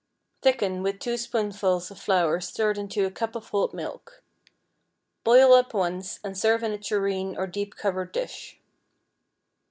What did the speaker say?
Thicken with two spoonfuls of flour stirred into a cup of cold milk. Boil up once, and serve in a tureen or deep covered dish.